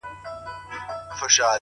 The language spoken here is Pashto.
o تا چي پر لمانځه له ياده وباسم ـ